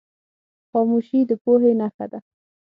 خاموشي، د پوهې نښه ده.